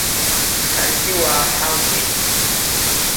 Ҳаргьы уааҳалгеит!